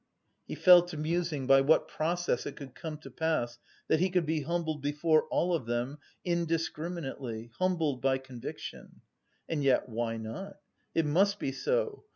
He fell to musing by what process it could come to pass, that he could be humbled before all of them, indiscriminately humbled by conviction. And yet why not? It must be so.